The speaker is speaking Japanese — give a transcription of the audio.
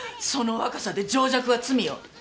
その若さで情弱は罪よ。